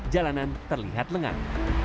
jalanan terlihat lengang